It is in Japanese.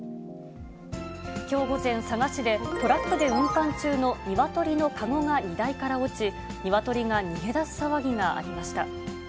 きょう午前、佐賀市でトラックで運搬中のニワトリのかごが荷台から落ち、ニワトリが逃げ出す騒ぎがありました。